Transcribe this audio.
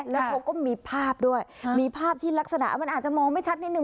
แล้วเขาก็มีภาพด้วยมีภาพที่ลักษณะมันอาจจะมองไม่ชัดนิดนึ